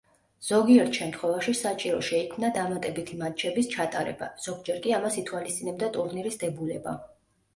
ზოგიერთ შემთხვევაში საჭირო შეიქმნა დამატებითი მატჩების ჩატარება, ზოგჯერ კი ამას ითვალისწინებდა ტურნირის დებულება.